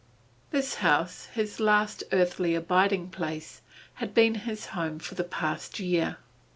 This house, his last earthly abiding place, had been his home for the past year.